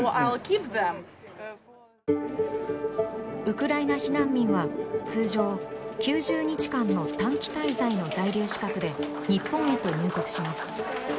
ウクライナ避難民は通常９０日間の短期滞在の在留資格で日本へと入国します。